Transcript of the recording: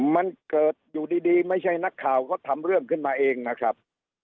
มันเกิดอยู่ดีไม่ใช่นักข่าวก็ทำเรื่องขึ้นมาเองนะครับ